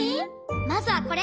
まずはこれ！